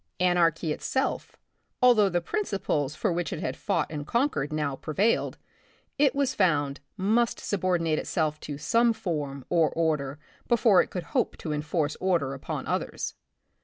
Anarchy itself, although the principles for which it had fought and con quered now. prevailed, it was found, must sub ordinate itself to some form or order before it could hope to enforce order upon others.